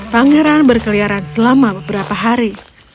pangeran berkeliaran selama beberapa hari